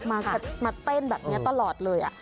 มาเต้นแบบนี้ตลอดเลย